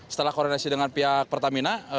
setelah koordinasi dengan pihak pertamina